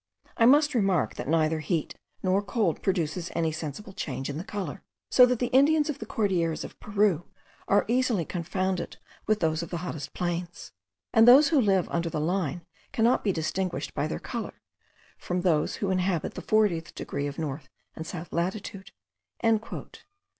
I must remark, that neither heat nor cold produces any sensible change in the colour, so that the Indians of the Cordilleras of Peru are easily confounded with those of the hottest plains; and those who live under the Line cannot be distinguished, by their colour, from those who inhabit the fortieth degree of north and south latitude."